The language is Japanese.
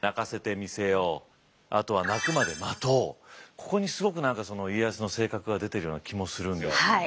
ここにすごく何か家康の性格が出ているような気もするんですよね。